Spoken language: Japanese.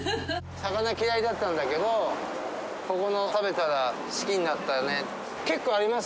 魚嫌いだったんだけど、ここのを食べたら好きになったよねって、結構あります。